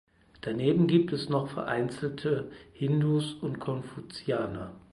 Daneben gibt es noch vereinzelte Hindus und Konfuzianer.